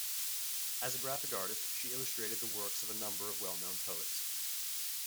As a graphic artist, she illustrated the works of a number of well-known poets.